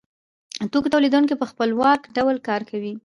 د توکو تولیدونکی په خپلواک ډول کار کوي